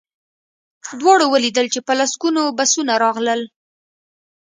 دواړو ولیدل چې په لسګونه بسونه راغلل